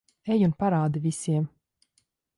Ej un parādi visiem.